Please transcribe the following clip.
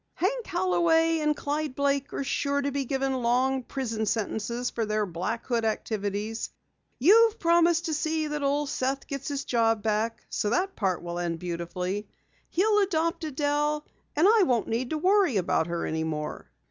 "Hank Holloway and Clyde Blake are sure to be given long prison sentences for their Black Hood activities. You've promised to see that Old Seth gets his job back, so that part will end beautifully. He'll adopt Adelle and I won't need to worry about her any more."